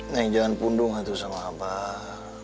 neng jangan pundung gitu sama abah